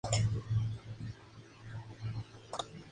Flores generalmente hermafroditas, pediceladas.